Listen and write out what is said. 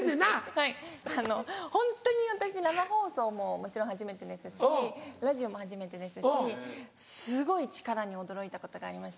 はいホントに私生放送ももちろん初めてですしラジオも初めてですしすごい力に驚いたことがありまして。